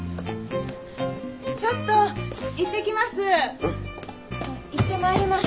ちょっと行ってきます！